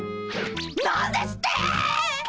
何ですって！